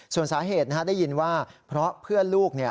ส่วนสาเหตุได้ยินว่าเพราะเพื่อนลูก